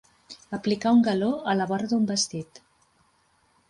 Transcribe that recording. Aplicar un galó a la vora d'un vestit.